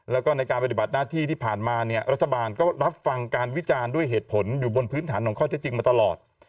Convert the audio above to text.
แล้วก็ในการปฏิบัติหน้าที่ที่ผ่านมาเนี่ยรัฐบาลก็รับฟังการวิจารณ์ด้วยเหตุผลอยู่บนพื้นฐานของข้อเท็จจริงมาตลอด